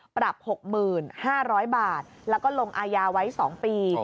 ปรับหกหมื่นห้าร้อยบาทแล้วก็ลงอายาไว้สองปี